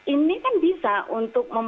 ini kan bisa untuk